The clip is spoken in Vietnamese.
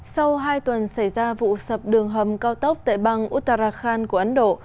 sau hai tuần xảy ra vụ sập đường hầm cao tốc tại bang uttarakhand của ấn độ